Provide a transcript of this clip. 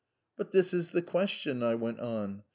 "But this is the question," I went on.